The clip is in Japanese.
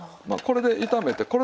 まあこれで炒めて。